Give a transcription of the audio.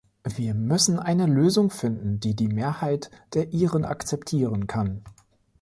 Wir müssen eine Lösung finden, die die Mehrheit der Iren akzeptieren kann.